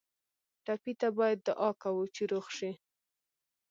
ټپي ته باید دعا کوو چې روغ شي.